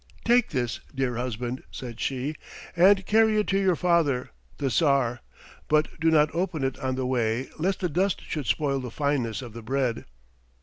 "Take this, dear husband," said she, "and carry it to your father, the Tsar, but do not open it on the way lest the dust should spoil the fineness of the bread."